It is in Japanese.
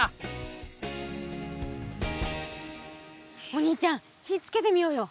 お兄ちゃん火つけてみようよ。